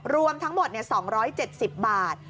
รวมทั้งหมด๒๗๐บาท